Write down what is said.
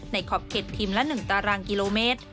ขอบเข็ดทีมละ๑ตารางกิโลเมตร